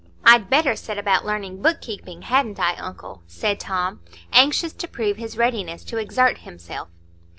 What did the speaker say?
"I'd better set about learning book keeping, hadn't I, uncle?" said Tom, anxious to prove his readiness to exert himself.